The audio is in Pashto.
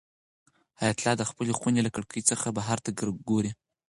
حیات الله د خپلې خونې له کړکۍ څخه بهر ته ګوري.